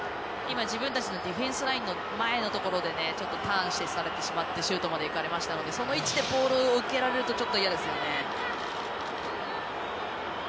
自分たちのディフェンスラインの前のところでちょっとターンされてしまってシュートまでいかれたのでその位置でボールを受けられると嫌ですよね。